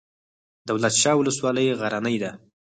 دولت شاه ولسوالۍ غرنۍ ده؟